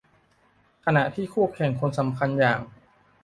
ขณะที่คู่แข่งคนสำคัญอย่าง